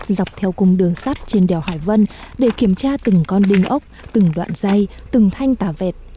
dọc theo cung đường sắt trên đèo hải vân để kiểm tra từng con đinh ốc từng đoạn dây từng thanh tả vẹt